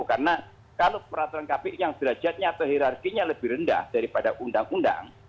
karena kalau peraturan kpu yang derajatnya atau hirarkinya lebih rendah daripada undang undang